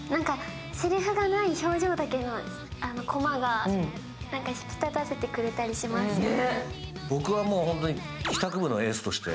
せりふがない表情だけのコマが何か引き立たせてくれたりしますよね。